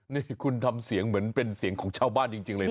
นี่คุณทำเสียงเหมือนเป็นเสียงของชาวบ้านจริงเลยนะ